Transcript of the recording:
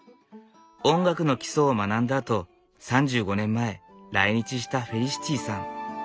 音楽の基礎を学んだあと３５年前来日したフェリシティさん。